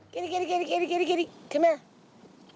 กิตติมานี่